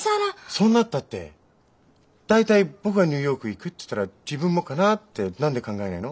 そんなったって大体僕がニューヨーク行くって言ったら自分もかなって何で考えないの？